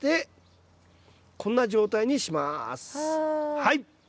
はい！